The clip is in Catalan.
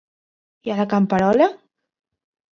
I a la camperola?